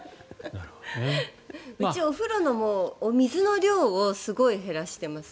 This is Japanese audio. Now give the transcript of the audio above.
うち、お風呂の水の量をすごい減らしてます。